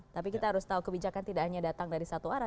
tapi kita harus tahu kebijakan tidak hanya datang dari satu arah